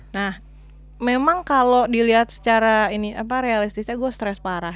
nah memang kalau dilihat secara realistisnya gue stres parah